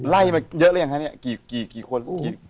ไล่มาเยอะละแค่นี้กี่คน